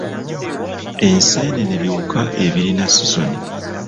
Enseenene biwuka ebirina sizoni.